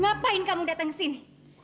ngapain kamu datang kesini